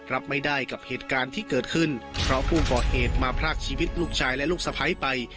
รับไม่ได้กับเหตุการณ์ที่เกิดขึ้นเพราะผู้ก่อเหตุมาพรากชีวิตลูกชายและลูกสะพ้ายไป